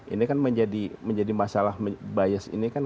ini kan menjadi masalah bias ini kan